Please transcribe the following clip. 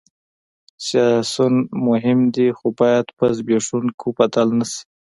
سیاسیون مهم دي خو باید په زبېښونکو بدل نه شي